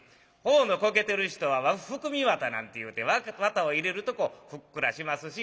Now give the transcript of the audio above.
頬のこけてる人は含み綿なんていうて綿を入れるとふっくらしますし。